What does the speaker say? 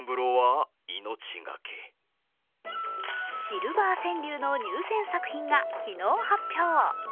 シルバー川柳の入選作品が昨日発表。